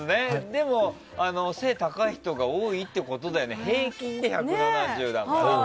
でも、背が高い人が多いということなので平均で１７０だから。